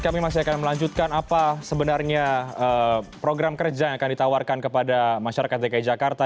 kami masih akan melanjutkan apa sebenarnya program kerja yang akan ditawarkan kepada masyarakat dki jakarta